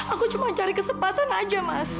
aku cuma cari kesempatan aja mas